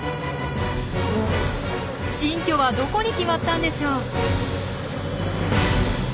新居はどこに決まったんでしょう？